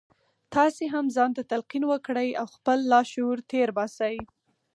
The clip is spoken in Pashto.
تاسې هم ځان ته تلقين وکړئ او خپل لاشعور تېر باسئ.